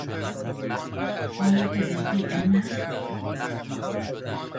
آیا پزشکی علم است؟